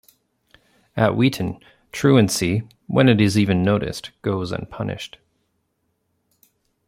At Wheaton, truancy, when it is even noticed, goes unpunished.